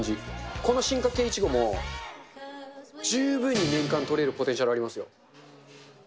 この進化系イチゴも、十分に年間取れるポテンシャルありますよ。